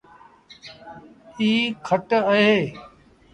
ايٚ کٽ اهي ۔